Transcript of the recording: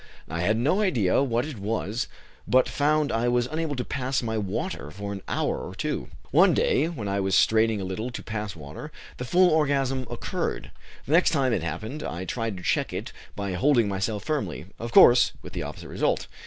I had no idea what it was, but found I was unable to pass my water for an hour or two. One day, when I was straining a little to pass water, the full orgasm occurred. The next time it happened, I tried to check it by holding myself firmly, of course, with the opposite result.